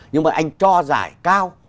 nhưng mà anh cho giải cao